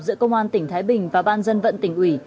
giữa công an tỉnh thái bình và ban dân vận tỉnh ủy